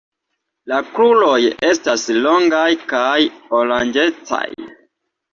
La kruroj estas longaj kaj oranĝecaj.